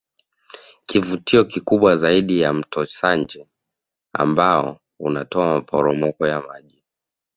Kivutio kikubwa zaidi ni Mto Sanje ambao unatoa maporomoko ya maji